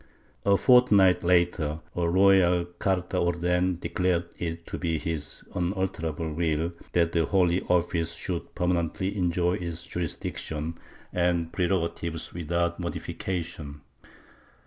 A fortnight later a royal carta orden declared it to be his imalterable will that the Holy Office should permanently enjoy its jurisdiction and prerogatives without modification.'